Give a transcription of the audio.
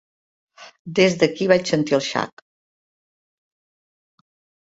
Des d'aquí vaig sentir el xac.